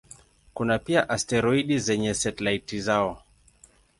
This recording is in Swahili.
Kuna pia asteroidi zenye satelaiti zao.